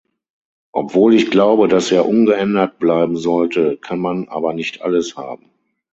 Obwohl ich glaube, dass er ungeändert bleiben sollte, kann man aber nicht alles haben.